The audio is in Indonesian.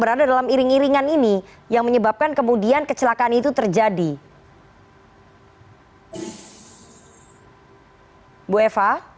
berada dalam iring iringan ini yang menyebabkan kemudian kecelakaan itu terjadi hai bu eva